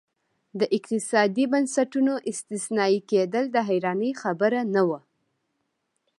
د اقتصادي بنسټونو استثنایي کېدل د حیرانۍ خبره نه وه.